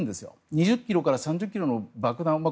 ２０ｋｇから３０ｋｇの爆弾。